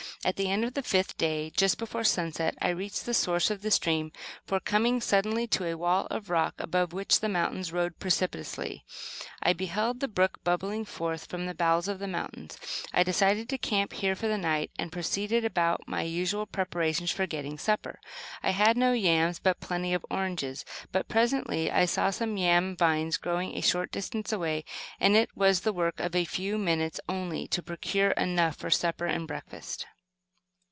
At the end of the fifth day, just before sunset, I reached the source of the stream, for coming suddenly to a wall of rock above which the mountain rose precipitously, I beheld the brook bubbling forth from the bowels of the mountains. I decided to camp here for the night, and proceeded about my usual preparations for getting supper. I had no yams, but plenty of oranges; but presently I saw some yam vines growing a short distance away, and it was the work of a few minutes only to procure enough for supper and breakfast.